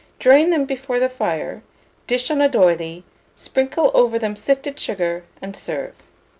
Drain them before the fire, dish on a d'oyley, sprinkle over them sifted sugar, and serve.